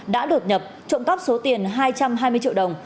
đã đột nhập trộm cắp số tiền hai trăm hai mươi triệu đồng